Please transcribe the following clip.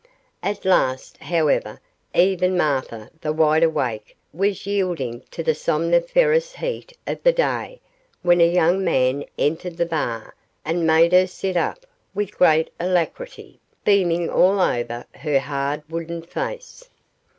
At last, however, even Martha the wide awake was yielding to the somniferous heat of the day when a young man entered the bar and made her sit up with great alacrity, beaming all over her hard wooden face.